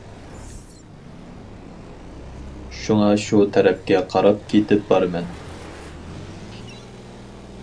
شۇڭا شۇ تەرەپكە قاراپ كېتىپ بارىمەن.